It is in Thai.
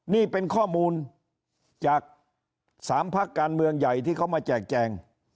นี่เป็นข้อมูลจาก๓พักการเมืองใหญ่ที่เขามาแจกแจง